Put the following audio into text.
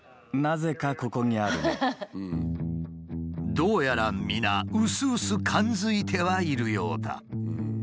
どうやら皆うすうす感づいてはいるようだ。